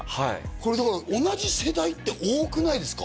これだから同じ世代って多くないですか？